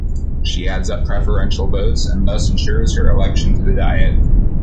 She adds up preferential votes and thus ensures her election to the Diet.